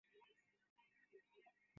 না থাকে তো তাকে কান মলে বিদায় করে দেব।